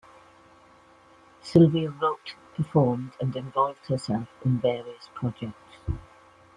Sylvia wrote, performed, and involved herself in various projects.